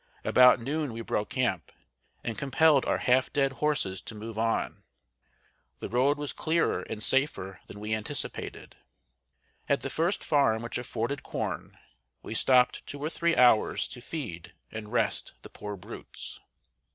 About noon we broke camp, and compelled our half dead horses to move on. The road was clearer and safer than we anticipated. At the first farm which afforded corn, we stopped two or three hours to feed and rest the poor brutes.